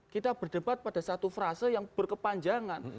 kita berdebat pada satu frase yang berkepanjangan